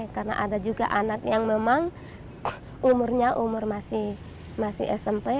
karena ada juga anak yang memang umurnya umur masih smp